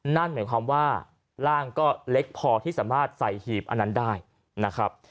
นั่นหมายความว่าร่างก็เล็กพอที่สามารถใส่หีบอันนั้นได้นะครับ